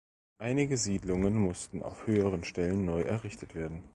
Einige Siedlungen mussten auf höheren Stellen neu errichtet werden.